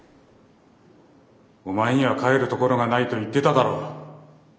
お前には帰るところがないと言ってただろう。